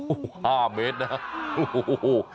โอ้โห๕เมตรนะโอ้โห